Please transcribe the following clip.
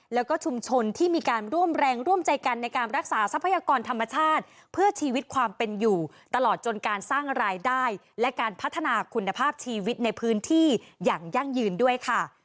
แล้วก็ชุมชนที่มีการร่วมแรงร่วมใจกันในการรักษาทรัพยากรธรรมชาติเพื่อชีวิตความเป็นอยู่ตลอดจนการสร้างรายได้และการพัฒนาคุณภาพชีวิตในพื้นที่อย่างยั่งยืนด้วยค่ะ